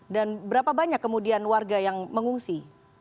dan berapa banyak kemudian warga yang mengungsi